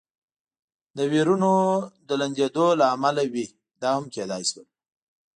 د وېرونو د لوندېدو له امله وي، دا هم کېدای شول.